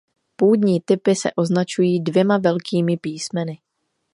Půdní typy se označují dvěma velkými písmeny.